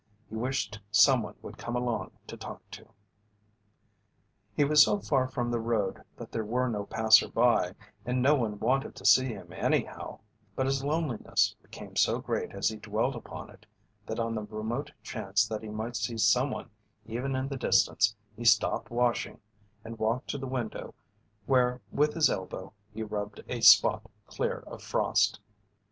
He wished someone would come along to talk to. He was so far from the road that there were no passersby, and no one wanted to see him anyhow, but his loneliness became so great as he dwelt upon it that on the remote chance that he might see someone even in the distance he stopped washing and walked to the window, where with his elbow he rubbed a spot clear of frost.